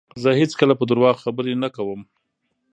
زه هیڅکله په درواغو خبرې نه کوم.